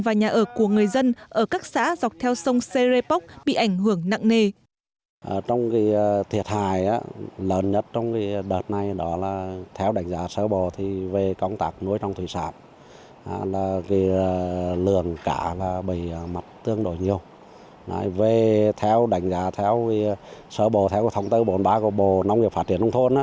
và nhà ở của người dân ở các xã dọc theo sông sê rê póc bị ảnh hưởng nặng nề